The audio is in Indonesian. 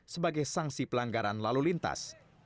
sebagai sanksi pelanggaran lalu lintas